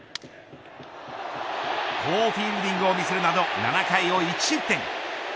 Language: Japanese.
好フィールディングを見せるなど７回を１失点。